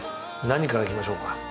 何からいきましょうか？